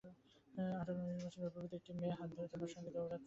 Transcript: আঠার-উনিশ বছরের রূপবতী একটি মেয়ে, হাত ধরে তোমার সঙ্গে দৌড়াচ্ছে।